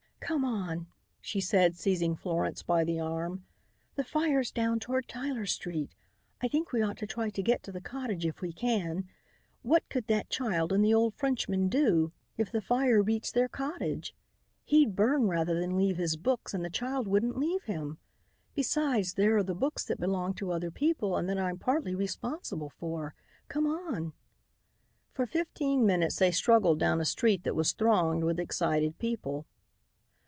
"Come on," she said, seizing Florence by the arm; "the fire's down toward Tyler street. I think we ought to try to get to the cottage if we can. What could that child and the old Frenchman do if the fire reached their cottage? He'd burn rather than leave his books and the child wouldn't leave him; besides there are the books that belong to other people and that I'm partly responsible for. C'm'on." For fifteen minutes they struggled down a street that was thronged with excited people.